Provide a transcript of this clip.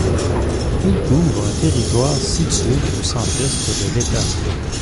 Il couvre un territoire situé au centre-est de l'État.